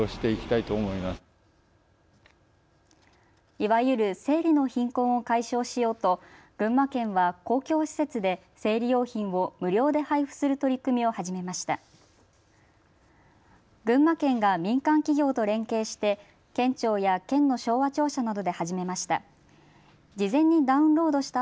いわゆる生理の貧困を解消しようと群馬県は公共施設で生理用品を無料で配布する取り組みを始めました。